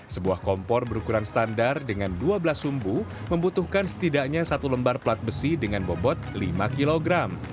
sebuah kompor berukuran standar dengan dua belas sumbu membutuhkan setidaknya satu lembar pelat besi dengan bobot lima kg